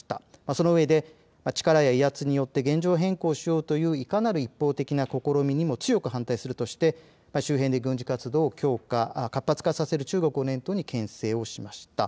その上で力や威圧によって現状変更しようという、いかなる一方的な試みにも強く反対するとして、周辺で軍事活動を強化中国をけん制をしました。